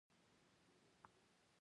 د دې لوی توپیر اصلي لامل څه دی